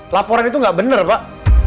laporan itu nggak benar pak